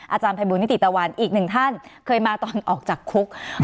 อาจารย์ภัยบูลนิติตะวันอีกหนึ่งท่านเคยมาตอนออกจากคุก